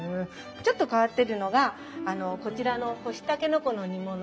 ちょっと変わってるのがこちらの干しタケノコの煮物。